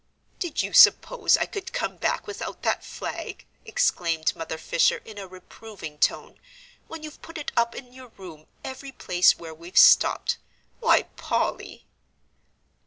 "Did you suppose I could come back without that flag," exclaimed Mother Fisher in a reproving tone, "when you've put it up in your room every place where we've stopped? why, Polly!"